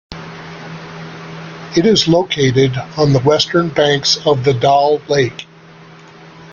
It is located on the western banks of the Dal Lake.